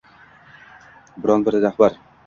Biron bir rahbar